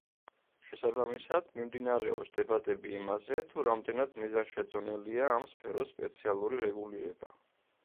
შესაბამისად, მიმდინარეობს დებატები იმაზე, თუ რამდენად მიზანშეწონილია ამ სფეროს სპეციალური რეგულირება.